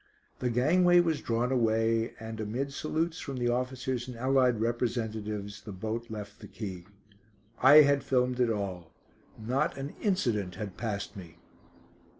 The gangway was drawn away and, amid salutes from the officers and allied representatives, the boat left the quay. I had filmed it all. Not an incident had passed me.